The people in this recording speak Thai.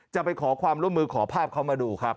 จะไปขอความร่วมมือขอภาพเขามาดูครับ